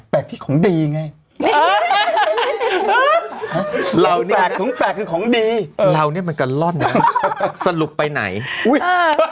แปลกของแปลกคือของดีเราเนี้ยมันก็รอดนะฮ่าฮ่าสรุปไปไหนอุ๊ย